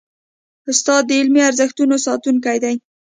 استاد د علمي ارزښتونو ساتونکی دی.